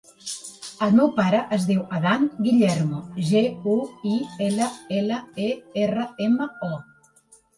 El meu pare es diu Adán Guillermo: ge, u, i, ela, ela, e, erra, ema, o.